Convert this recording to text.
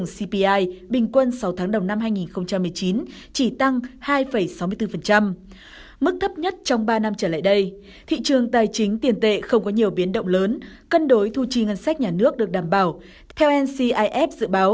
cpi bình quân năm hai nghìn một mươi chín dự kiến tăng ba một mươi ba so với kế hoạch khoảng bốn